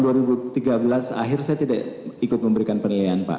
di tahun dua ribu tiga belas akhir saya tidak ikut memberikan penilaian pak